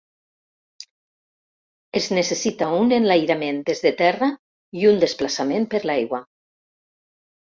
Es necessita un enlairament des de terra i un desplaçament per l'aigua.